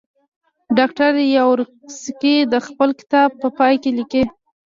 ډاکټر یاورسکي د خپل کتاب په پای کې لیکي.